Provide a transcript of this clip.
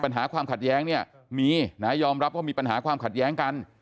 ปัญหาความขัดแย้งเนี่ยมีนะยอมรับว่ามีปัญหาความขัดแย้งกัน